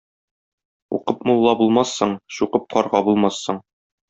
Укып мулла булмассың, чукып карга булмассың